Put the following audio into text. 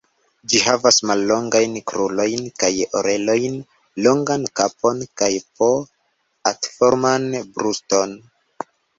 Ĝi havas mallongajn krurojn kaj orelojn, longan kapon kaj p,atforman bruston.